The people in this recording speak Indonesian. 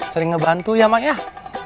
sering ngebantu ya mak ya